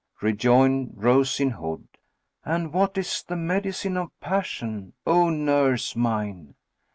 Rejoined Rose in Hood, "And what is the medicine of passion, O nurse mine?"